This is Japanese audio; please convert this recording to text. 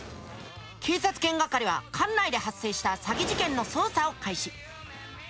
警察犬係は管内で発生した詐欺事件の捜査を開始。